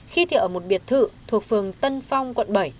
khi thì ở một biệt thự thuộc phường tân phong quận bảy